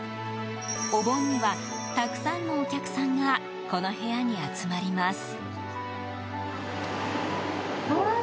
お盆には、たくさんのお客さんがこの部屋に集まります。